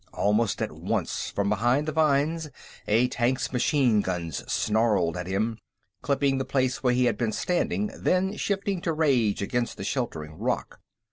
Almost at once, from behind the vines, a tank's machine guns snarled at him, clipping the place where he had been standing, then shifting to rage against the sheltering rock.